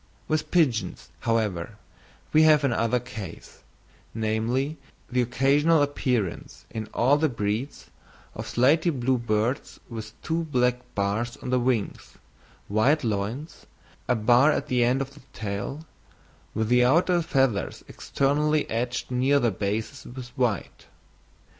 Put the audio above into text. With pigeons, however, we have another case, namely, the occasional appearance in all the breeds, of slaty blue birds with two black bars on the wings, white loins, a bar at the end of the tail, with the outer feathers externally edged near their bases with white.